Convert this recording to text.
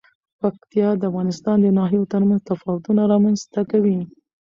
پکتیا د افغانستان د ناحیو ترمنځ تفاوتونه رامنځ ته کوي.